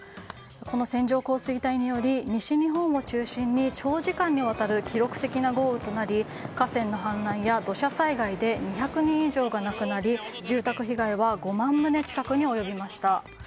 この線状降水帯により西日本を中心に長時間にわたる記録的な豪雨となり河川の氾濫や土砂災害で２００人以上が亡くなり住宅被害は５万棟近くに及びました。